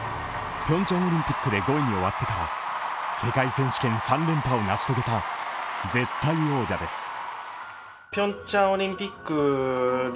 ピョンチャンオリンピックで５位に終わってから、世界選手権３連覇を成し遂げた絶対王者です。